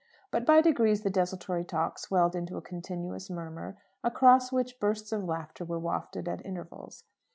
But by degrees the desultory talk swelled into a continuous murmur, across which bursts of laughter were wafted at intervals.